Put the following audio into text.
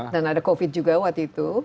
dan ada covid juga waktu itu